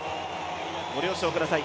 ご了承ください。